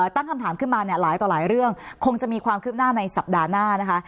ตั้งคำถามขึ้นมาเนี่ยหลายต่อหลายเรื่องคงจะมีความคืบหน้าในสัปดาห์หน้านะคะ